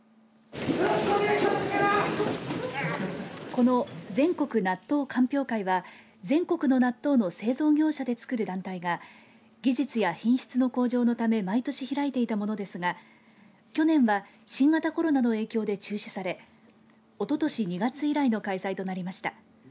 この全国納豆鑑評会は全国の納豆の製造業者で作る団体が技術や品質の向上のため毎年、開いていたものですが去年は新型コロナの影響で中止されおととし２月以来の開催となりました。